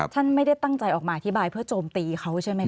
ท่านไม่ได้ตั้งใจออกมาอธิบายเพื่อโจมตีเขาใช่ไหมค